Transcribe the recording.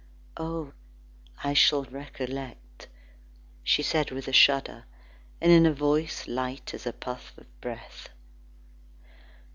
"Oh! I shall recollect," said she with a shudder, and in a voice light as a puff of breath.